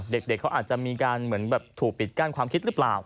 เด็กเขาอาจจะมีการถูกปิดกั้นความคิดหรือเปล่า